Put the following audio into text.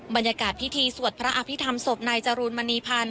บรรยากาศพิธีสวดพระอภิษฐรรมศพนายจรูนมณีพันธ์